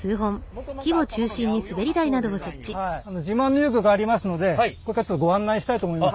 自慢の遊具がありますのでこれからちょっとご案内したいと思います。